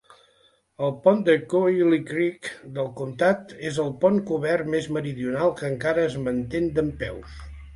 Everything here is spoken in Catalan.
El pont de Cohelee Creek del comtat és el pont cobert més meridional que encara es mantén dempeus.